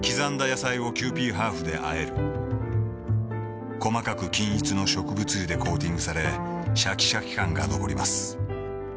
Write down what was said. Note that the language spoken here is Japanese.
野菜をキユーピーハーフであえる細かく均一の植物油でコーティングされシャキシャキ感が残ります